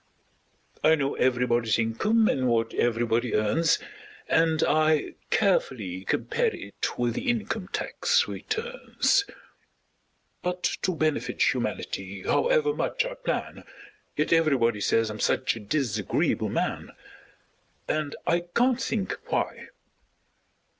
I know everybody's income and what everybody earns, And I carefully compare it with the income tax returns; But to benefit humanity, however much I plan, Yet everybody says I'm such a disagreeable man! And I can't think why!